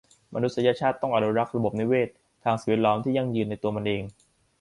มนุษยชาติต้องอนุรักษ์ระบบนิเวศน์ทางสิ่งแวดล้อมที่ยั่งยืนในตัวมันเอง